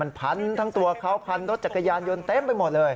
มันพันทั้งตัวเขาพันรถจักรยานยนต์เต็มไปหมดเลย